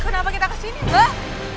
kenapa kita kesini mbak